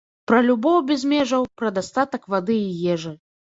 Пра любоў без межаў, пра дастатак вады і ежы.